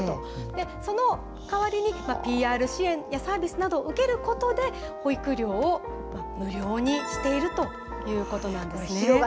で、その代わりにＰＲ支援やサービスなどを受けることで、保育料を無料にしているということなんですね。